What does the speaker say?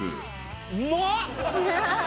うまっ！